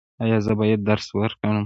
ایا زه باید درس ورکړم؟